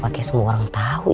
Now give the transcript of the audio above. nakut sama belakangnya angin